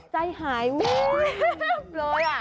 ใจหายมากเลยอะ